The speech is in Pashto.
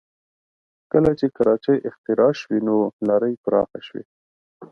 کله چې کراچۍ اختراع شوې نو لارې پراخه شوې